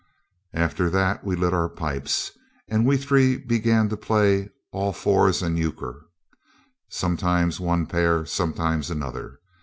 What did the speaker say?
After that we lit our pipes, and we three began to play all fours and euchre, sometimes one pair, sometimes another.